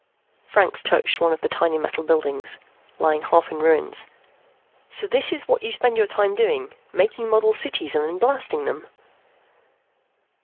Franks touched one of the tiny model buildings, lying half in ruins. "So this is what you spend your time doing making model cities and then blasting them."